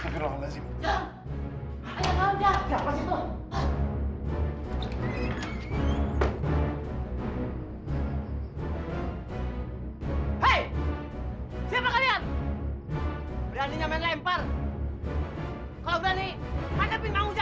terima kasih ya